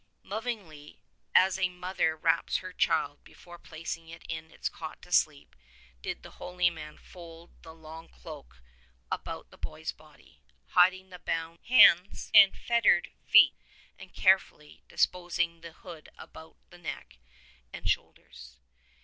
Lovingly as a mother wraps her child before placing it in its cot to sleep did the holy man fold the long cloak about the boy's body — hiding the bound hands and fettered feet, and carefully disposing the hood about the neck and shoulders.